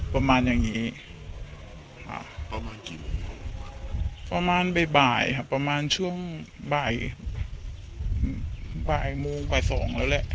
ประมาณอย่างนี้ค่ะประมาณกี่โมงประมาณบ่ายครับประมาณช่วงบ่ายบ่ายโมงบ่ายสองแล้วแหละ